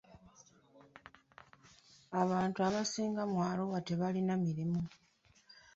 Abantu abasinga mu Arua tebalina mirimu.